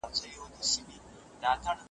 نور مي بېګانه له پلونو ښار دی بیا به نه وینو .